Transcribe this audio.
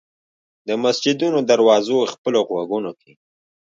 د مسجدونو دروازو خپلو غوږونو کې